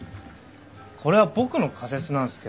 これは僕の仮説なんすけど。